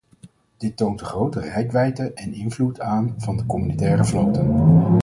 Dit toont de grote reikwijdte en invloed aan van de communautaire vloten.